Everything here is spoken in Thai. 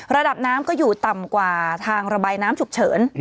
ระดับน้ำก็อยู่ต่ำกว่าทางระบายน้ำฉุกเฉิน